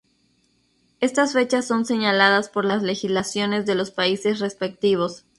Estas fechas son señaladas por las legislaciones de los países respectivos.